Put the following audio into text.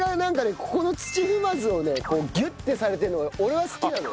ここの土踏まずをねギュッてされてるのが俺は好きなのよ。